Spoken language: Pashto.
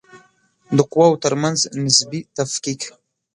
د قواوو ترمنځ نسبي تفکیک